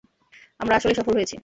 আমরা আসলেই সফল হয়েছি!